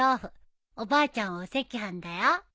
おばあちゃんはお赤飯だよ。